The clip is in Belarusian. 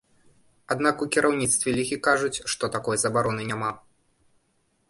Аднак у кіраўніцтве лігі кажуць, што такой забароны няма.